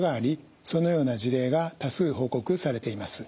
そのような事例が多数報告されています。